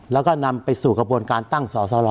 แล้วก็นำไปสู่กระบวนการตั้งสอสล